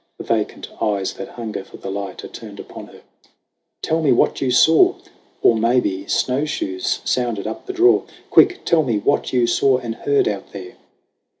The vacant eyes that hunger for the light Are turned upon her : "Tell me what you saw! Or maybe snowshoes sounded up the draw. Quick, tell me what you saw and heard out there